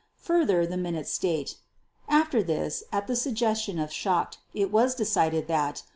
Further, the minutes state: "After this, at the suggestion of Schacht, it was decided that